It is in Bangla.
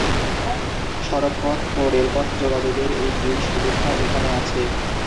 সড়ক পথ ও রেলপথ যোগাযোগের এই দুই সুবিধা এখানে আছে।